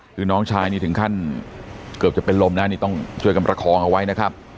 คือน้องชายนี่ถึงขั้นเกือบจะเป็นลมนะนี่ต้องช่วยกันประคองเอาไว้นะครับ